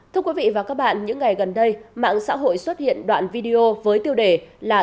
thưa quý vị và các bạn những ngày gần đây mạng xã hội xuất hiện đoạn video với tiêu đề là